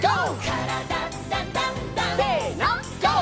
「からだダンダンダン」せのＧＯ！